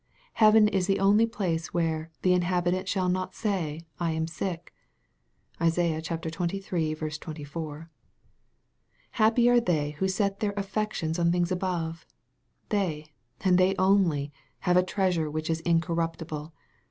Heaven is the only place where " the inhabitant shall not say, I am sick." (Isa. xxiii. 24.) Happy are they who set their affections on things above ! They, and they only, have a treasure which is incorruptible.